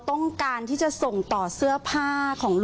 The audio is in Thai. โอ้โฮ